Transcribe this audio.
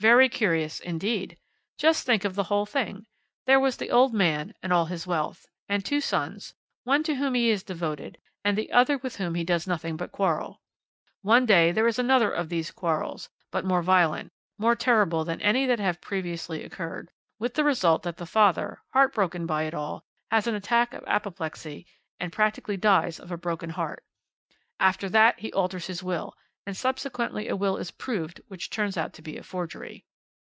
"Very curious indeed. Just think of the whole thing. There was the old man with all his wealth, and two sons, one to whom he is devoted, and the other with whom he does nothing but quarrel. One day there is another of these quarrels, but more violent, more terrible than any that have previously occurred, with the result that the father, heartbroken by it all, has an attack of apoplexy and practically dies of a broken heart. After that he alters his will, and subsequently a will is proved which turns out to be a forgery.